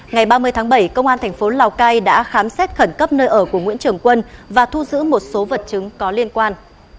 ngày ba mươi tháng bảy công an thành phố lào cai đã khám xét khẩn cấp nơi ở của nguyễn trường quân và thu giữ một số vật chứng có liên quan